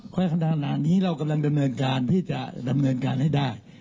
เพราะขณะนี้เรากำลังดำเนินการที่จะดำเนินการให้ได้